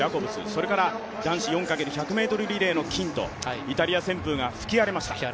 それから、男子４ｘ１００ｍリレーの金とイタリア旋風が吹き荒れました。